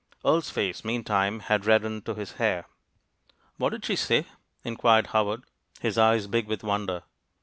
Earle's face, meantime, had reddened to his hair. "What did she say?" inquired Howard, his eyes big with wonder.